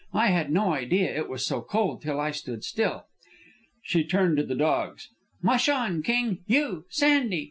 I had no idea it was so cold till I stood still." She turned to the dogs: "Mush on! King! You Sandy!